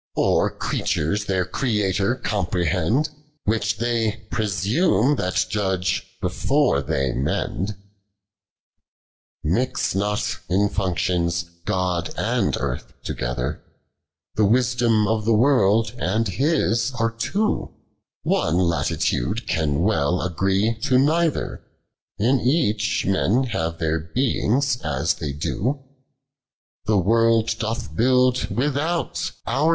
Of creatures their Creator comprehend : "Which they presume that judge before Hixc not in functions God and Earth togcthi The wisdom of the world and His arc two ; One Intituile can well a<^o to neither. In each, men have tlicir beings iis thev lio ; Tlie woild ilotli build without, our